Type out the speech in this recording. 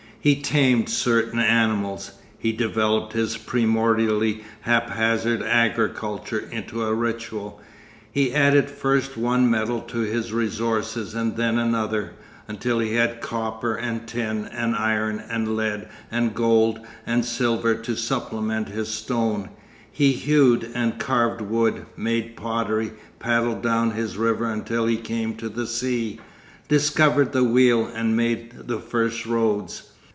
He tamed certain animals, he developed his primordially haphazard agriculture into a ritual, he added first one metal to his resources and then another, until he had copper and tin and iron and lead and gold and silver to supplement his stone, he hewed and carved wood, made pottery, paddled down his river until he came to the sea, discovered the wheel and made the first roads.